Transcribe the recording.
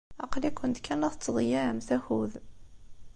Aql-ikent kan la tettḍeyyiɛemt akud.